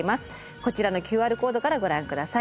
こちらのＱＲコードからご覧下さい。